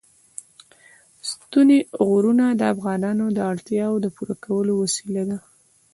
ستوني غرونه د افغانانو د اړتیاوو د پوره کولو وسیله ده.